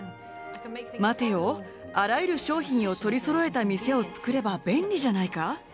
「待てよあらゆる商品を取りそろえた店をつくれば便利じゃないか？